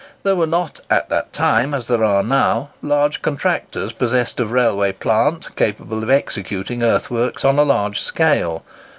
There were not at that time, as there are now, large contractors possessed of railway plant, capable of executing earth works on a large scale.